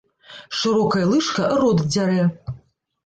Шырокая лыжка рот дзярэ